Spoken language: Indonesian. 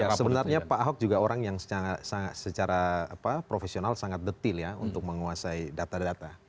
ya sebenarnya pak ahok juga orang yang secara profesional sangat detil ya untuk menguasai data data